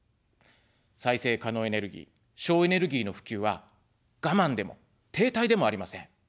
再生可能エネルギー、省エネルギーの普及は我慢でも停滞でもありません。